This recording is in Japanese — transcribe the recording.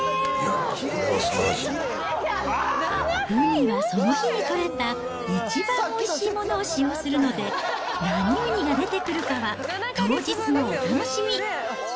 ウニはその日に取れた、一番おいしいものを使用するので、何ウニが出てくるかは当日のお楽しみ。